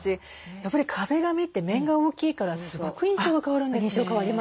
やっぱり壁紙って面が大きいからすごく印象が変わるんですね。